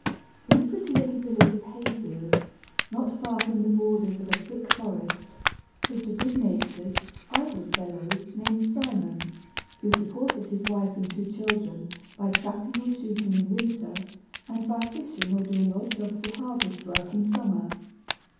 ] In the pretty little village of Hayfield, not far from the borders of a thick forest, lived a good natured, idle fellow, named Simon, who supported his wife and two children by trapping or shooting in winter, and by fishing or doing odd jobs of harvest work in summer.